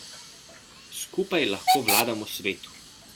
Skupaj lahko vladamo svetu!